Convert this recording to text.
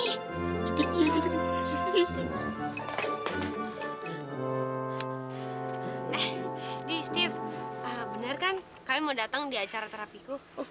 eh di steve bener kan kami mau datang di acara terapi ku